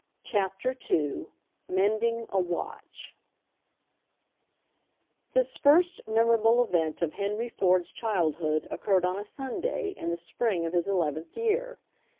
CHAPTER II MENDING A WATCH This first memorable event of Henry Ford's childhood occurred on a Sunday in the spring of his eleventh year.